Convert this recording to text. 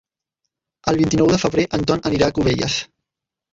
El vint-i-nou de febrer en Ton anirà a Cubelles.